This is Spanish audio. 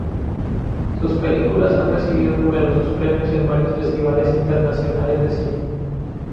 Sus películas han recibido numerosos premios en varios festivales internacionales de cine.